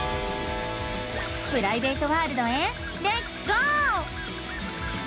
プライベートワールドへレッツゴー！